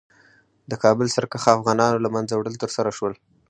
د کابل سرکښه افغانانو له منځه وړل ترسره شول.